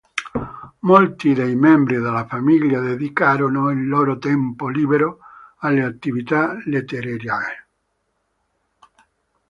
Molti dei membri della famiglia dedicarono il loro tempo libero alle attività letterarie.